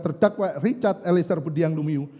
terdakwa richard elisir bediang mulyumiung